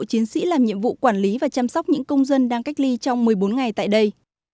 chiến sĩ làm nhiệm vụ quản lý và chăm sóc những công dân đang cách ly trong một mươi bốn ngày tại đây